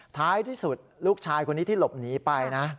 ท้ายที่สุดลูกชายคนนี้ที่หลบหนีไปนะ